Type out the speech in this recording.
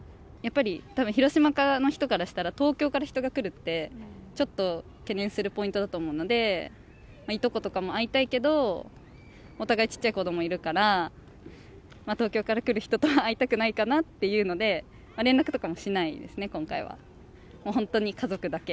やっぱりたぶん広島の人からしたら、東京から人が来るって、ちょっと懸念するポイントだと思うので、いとことかも会いたいけど、お互いちっちゃい子どもいるから、東京から来る人とは会いたくないかなっていうので、連絡とかもしないですね、今回は。